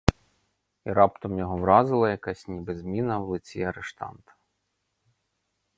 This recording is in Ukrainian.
І раптом його вразила якась ніби зміна в лиці арештанта.